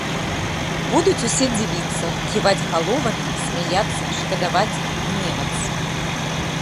Будуць усе дзівіцца, ківаць галовамі, смяяцца, шкадаваць, гневацца.